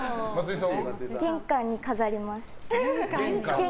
玄関に飾ります。